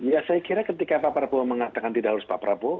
ya saya kira ketika pak prabowo mengatakan tidak harus pak prabowo